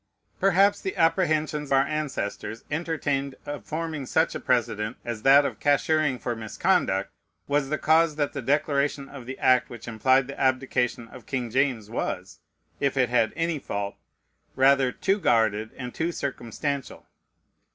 Perhaps the apprehensions our ancestors entertained of forming such a precedent as that "of cashiering for misconduct" was the cause that the declaration of the act which implied the abdication of King James was, if it had any fault, rather too guarded and too circumstantial.